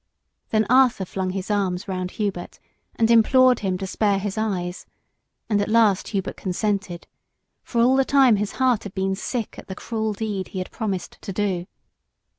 Then Arthur flung his arms round Hubert and implored him to spare his eyes, and at last Hubert consented, for all the time his heart had been sick at the cruel deed he had promised to do.